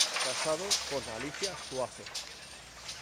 Casado con Alicia Suazo.